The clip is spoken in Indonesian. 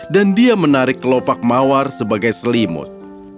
dan dia menarik kelopak mawar sebagai selimut